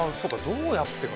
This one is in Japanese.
どうやってか。